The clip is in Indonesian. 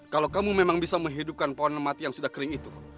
kalau kamu memang bisa menghidupkan pohon mati yang sudah kering itu